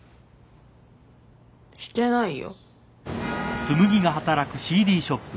してないよ。